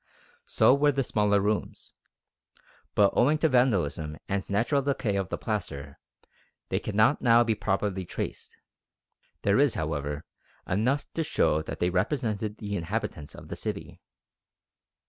So were the smaller rooms. But owing to vandalism and natural decay of the plaster, they cannot now be properly traced. There is, however, enough to show that they represented the inhabitants of the city.